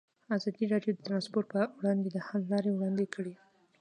ازادي راډیو د ترانسپورټ پر وړاندې د حل لارې وړاندې کړي.